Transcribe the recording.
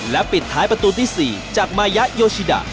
และปิดท้ายประตูที่๔จากมายะโยชิดะ